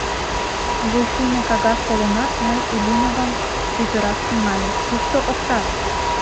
Вуйшийме кагаз толынат, мый Ильиновым пӱтыраш тӱҥальым: кушто оксат?»